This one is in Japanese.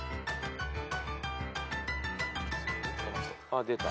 ・あっ出た。